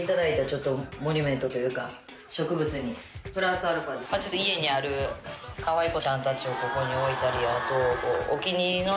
ちょっとモニュメントというか植物にプラスαでちょっと家にあるかわい子ちゃんたちをここに置いたりあと。